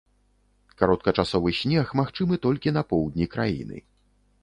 Кароткачасовы снег магчымы толькі на поўдні краіны.